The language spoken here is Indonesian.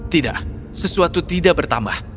tidak sesuatu tidak bertambah